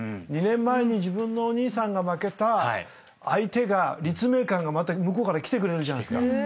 ２年前に自分のお兄さんが負けた立命館がまた向こうから来てくれるじゃないですか。